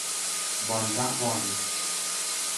บอลจ้ะบอล